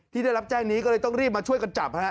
ได้รับแจ้งนี้ก็เลยต้องรีบมาช่วยกันจับฮะ